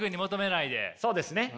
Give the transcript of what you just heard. そうですね。